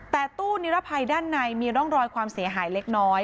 แต่ตู้นิรภัยด้านในมีร่องรอยความเสียหายเล็กน้อย